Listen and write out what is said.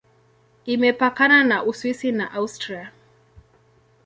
Imepakana na Uswisi na Austria.